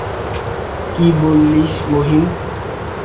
কী বলিস, মহিন।